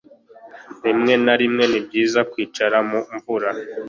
rimwe na rimwe, ni byiza kwicara mu mvura